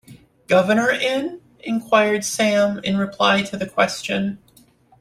‘Governor in?’ inquired Sam, in reply to the question.